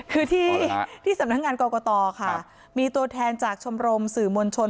คือที่สำนักงานกรกตค่ะมีตัวแทนจากชมรมสื่อมวลชน